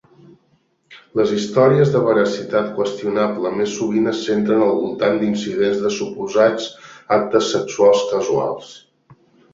Les històries de veracitat qüestionable més sovint es centren al voltant d'incidents de suposats actes sexuals casuals.